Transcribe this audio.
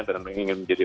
dan mengingin menjadi